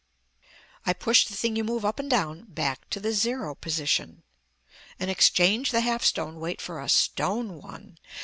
I pushed the thing you move up and down back to the zero position, and exchanged the half stone weight for a stone one.